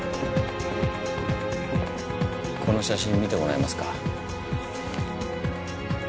この写真見てもらえますか？